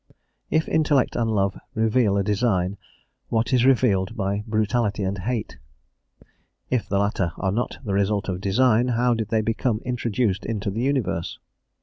If intellect and love reveal a design, what is revealed by brutality and hate? If the latter are not the result of design, how did they become introduced into the universe?